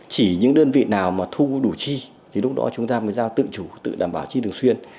chỉ những đơn vị nào mà thu đủ chi thì lúc đó chúng ta mới giao tự chủ tự đảm bảo chi thường xuyên